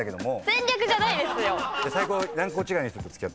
戦略じゃないですよ！